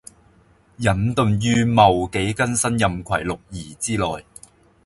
隱遁於「戊、己、庚、辛、壬、癸」六儀之內